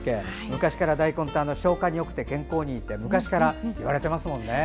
昔から大根って消化によくて健康にもいいと言われていますもんね。